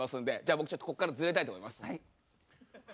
僕ちょっとここからずれたいと思います。